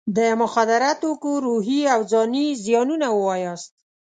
د مخدره توکو روحي او ځاني زیانونه ووایاست.